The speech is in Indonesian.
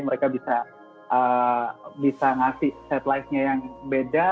mereka bisa ngasih set lifenya yang beda